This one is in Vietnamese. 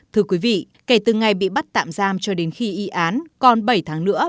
thưa quý vị kể từ ngày bị bắt tạm giam cho đến khi y án còn bảy tháng nữa